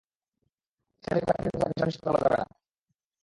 ঠিক কোথায় কোন বিন্দুতে থাকবে, সেটা নিশ্চিত করে বলা যাবে না।